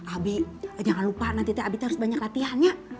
abie jangan lupa nanti abie harus banyak latihannya